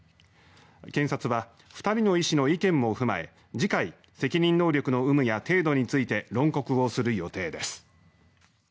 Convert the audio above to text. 検察は２人の医師の意見も踏まえ次回、責任能力の有無や程度について論告をする予定です。